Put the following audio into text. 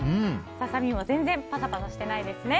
ササミも全然パサパサしてないですね。